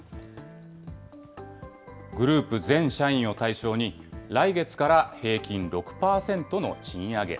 グループ全社員を対象に、来月から平均６％の賃上げ。